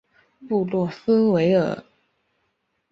布洛斯维尔。